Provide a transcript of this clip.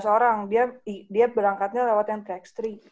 yang dua belas orang dia berangkatnya lewat yang ke x tiga